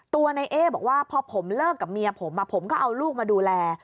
ตัวในเอ๊บอกว่าพอผมเลิกกับเมียผมผมก็เอาลูกมาดูแล